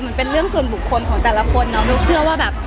มันเป็นเรื่องส่วนบุคคลของแต่ละคนเนาะนุ๊กเชื่อว่าแบบ